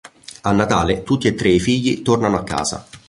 A Natale, tutti e tre i figli tornano a casa.